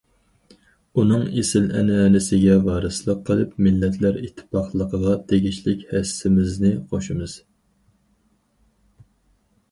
ئۇنىڭ ئېسىل ئەنئەنىسىگە ۋارىسلىق قىلىپ، مىللەتلەر ئىتتىپاقلىقىغا تېگىشلىك ھەسسىمىزنى قوشىمىز.